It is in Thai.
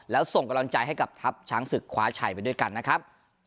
แล้วส่งกำลังใจให้กับทัพช้างศึกคว้าชัยไปด้วยกันนะครับ